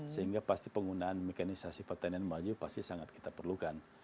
sehingga pasti penggunaan mekanisasi pertanian maju pasti sangat kita perlukan